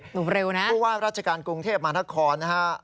หนูเร็วนะครับเพราะว่าราชการกรุงเทพมนธคอนนะครับ